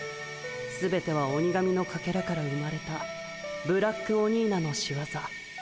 すべては鬼神のかけらから生まれたブラックオニーナのしわざ。